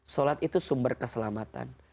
sholat itu sumber keselamatan